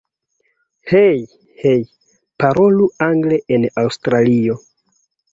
Hej! Hej! Parolu angle en Aŭstralio!